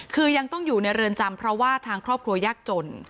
คือยังต้องอยู่ในเรือนจำเพราะว่าทางครอบครัวยากจน